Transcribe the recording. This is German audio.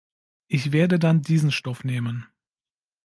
Ich werde dann diesen Stoff nehmen.